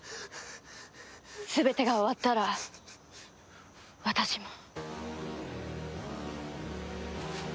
全てが終わったら私も。